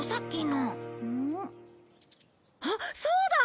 あっそうだ！